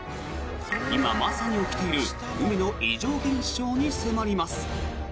今まさに起きている海の異常現象に迫ります。